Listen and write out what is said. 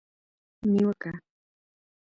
نیوکه